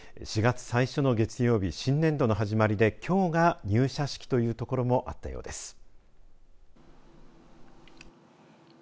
４月最初の月曜日、新年度の始まりできょうが入社式というところもあったようです。